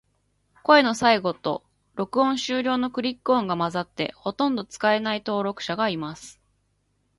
声の最後と、録音終了のクリック音が混ざって、ほとんど使えない登録者がいます。